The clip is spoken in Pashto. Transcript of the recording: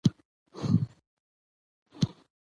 ازادي راډیو د اقلیتونه په اړه د حکومتي ستراتیژۍ ارزونه کړې.